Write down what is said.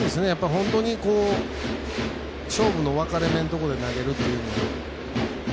本当に勝負の分かれ目のところで投げるっていうの。